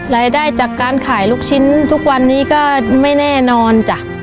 รายได้จากการขายลูกชิ้นทุกวันนี้ก็ไม่แน่นอนจ้ะ